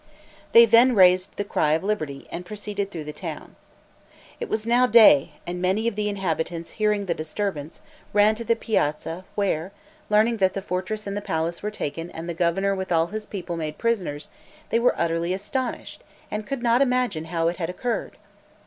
They then raised the cry of liberty, and proceeded through the town. It was now day, and many of the inhabitants hearing the disturbance, ran to the piazza where, learning that the fortress and the palace were taken and the governor with all his people made prisoners, they were utterly astonished, and could not imagine how it had occurred.